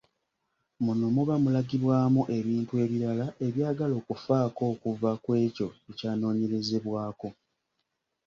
Muno muba mulagibwamu ebintu ebirala ebyagala okufaako okuva ku ekyo ekyanoonyerezebwako.